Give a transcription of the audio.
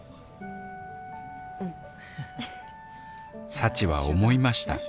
幸は思いました。